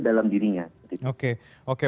dalam dirinya oke oke